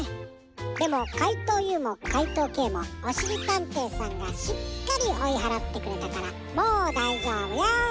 でもかいとうＵもかいとうＫもおしりたんていさんがしっかりおいはらってくれたからもうだいじょうぶよ。